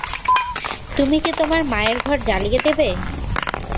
তুমি কি তোমার মায়ের ঘর জ্বালিয়ে দেবে?